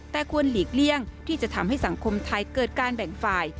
แต่ควรหลีกเลี่ยงที่จะทำให้สังคมไทยเกิดการแบ่งฝ่าย